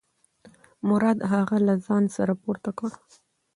مراد هغه له ځانه سره پورته کړ.